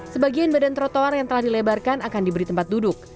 sebagian badan trotoar yang telah dilebarkan akan diberi tempat duduk